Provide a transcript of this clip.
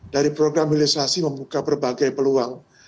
dari program hilirisasi membuka berbagai peluang